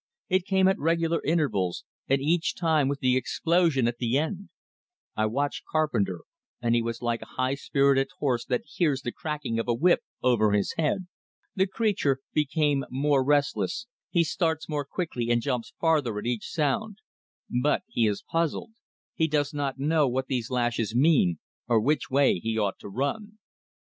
It came at regular intervals, and each time with the explosion at the end. I watched Carpenter, and he was like a high spirited horse that hears the cracking of a whip over his head. The creature becomes more restless, he starts more quickly and jumps farther at each sound. But he is puzzled; he does not know what these lashes mean, or which way he ought to run.